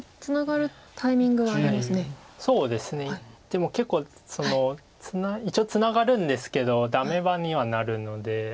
でも結構一応ツナがるんですけどダメ場にはなるので。